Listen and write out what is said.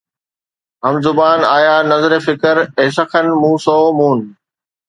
هم زبان آيا نظر فڪر- اي سخن مون سو مون